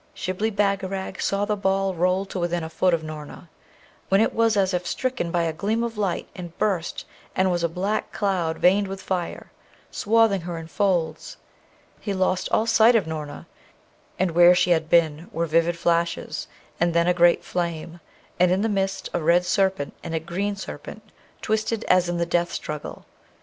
Shibli Bagarag saw the ball roll to within a foot of Noorna, when it was as if stricken by a gleam of light, and burst, and was a black cloud veined with fire, swathing her in folds. He lost all sight of Noorna; and where she had been were vivid flashes, and then a great flame, and in the midst a red serpent and a green serpent twisted as in the death struggle.